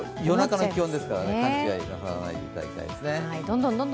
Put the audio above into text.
夜中の気温ですからね。